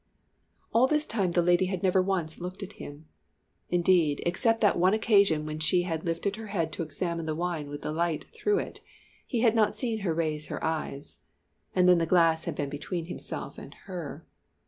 All this time the lady had never once looked at him; indeed, except that one occasion when she had lifted her head to examine the wine with the light through it, he had not seen her raise her eyes, and then the glass had been between himself and her.